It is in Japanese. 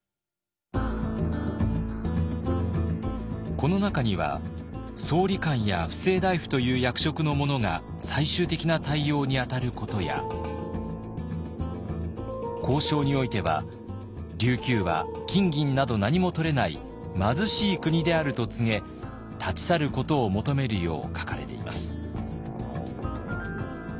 この中には総理官や布政大夫という役職の者が最終的な対応に当たることや交渉においては琉球は金銀などなにもとれない貧しい国であると告げ立ち去ることを求めるよう書かれています。